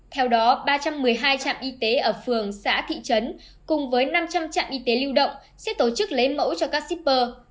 theo đó ba trăm một mươi hai trạm y tế ở phường xã thị trấn cùng với năm trăm linh trạm y tế lưu động sẽ tổ chức lấy mẫu cho các shipper